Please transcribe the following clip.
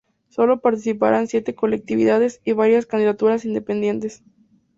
Solo participaron siete colectividades y varias candidaturas independientes.